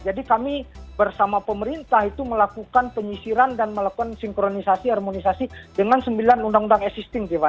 jadi kami bersama pemerintah itu melakukan penyisiran dan melakukan sinkronisasi harmonisasi dengan sembilan undang undang existing